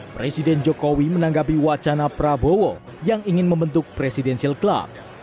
presiden jokowi menanggapi wacana prabowo yang ingin membentuk presidensial club